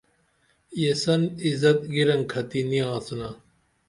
یسن عزت گیرنکھتی نی آڅنا